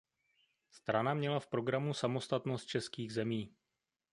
Strana měla v programu samostatnost českých zemí.